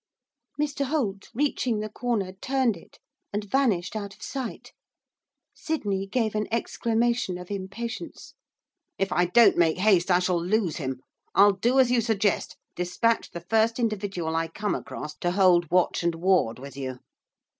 Mr Holt, reaching the corner, turned it, and vanished out of sight. Sydney gave an exclamation of impatience. 'If I don't make haste I shall lose him. I'll do as you suggest dispatch the first individual I come across to hold watch and ward with you.